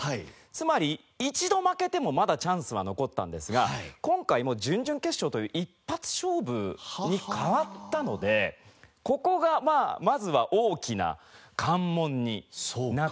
つまり一度負けてもまだチャンスは残ったんですが今回もう準々決勝という一発勝負に変わったのでここがまあまずは大きな関門になってきます。